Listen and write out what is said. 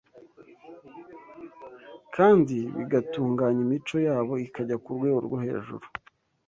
kandi bigatunganya imico yabo ikajya ku rwego rwo hejuru.